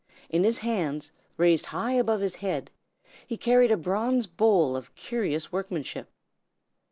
In his hands, raised high above his head, he carried a bronze bowl of curious workmanship.